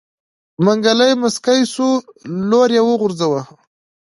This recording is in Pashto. منګلی موسکی شو لور يې وغورځوه.